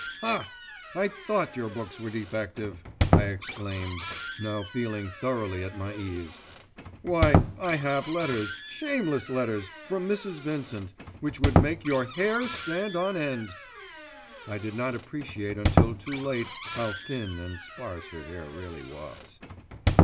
"Ha! I thought your books were defective," I exclaimed, now feeling thoroughly at my ease. "Why, I have letters, shameless letters, from Mrs. Vincent, which would make your hair stand on end." I did not appreciate until too late how thin and sparse her hair really was.